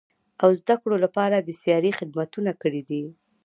او زده کړو لپاره بېسارې خدمتونه کړیدي.